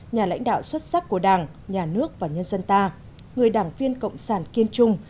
nhà lãnh đạo xuất sắc của đảng nhà nước và nhân dân ta người đảng viên cộng sản kiên trung